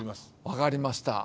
分かりました。